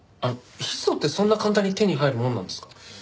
ヒ素ってそんな簡単に手に入るものなんですか？